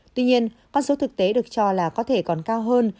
tuy nhiên con số thực tế được cho là có thể còn cao hơn